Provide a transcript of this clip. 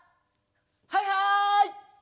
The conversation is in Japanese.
はいはい！